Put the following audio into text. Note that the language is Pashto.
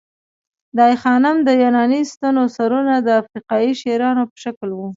د آی خانم د یوناني ستونو سرونه د افریقايي شیرانو په شکل وو